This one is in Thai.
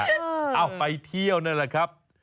เอาไปเที่ยวนั่นแหละครับ